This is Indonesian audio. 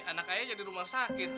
anak ayah jadi rumah sakit